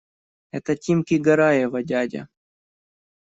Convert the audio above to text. Это Тимки Гараева дядя.